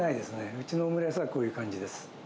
うちのオムライスはこういう感じです。